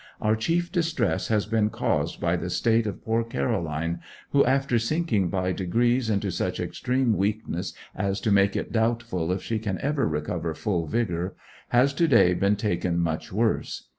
Our chief distress has been caused by the state of poor Caroline, who, after sinking by degrees into such extreme weakness as to make it doubtful if she can ever recover full vigour, has to day been taken much worse.